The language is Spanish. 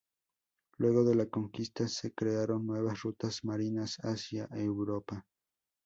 Luego de la conquista se crearon nuevas rutas marinas hacia Europa.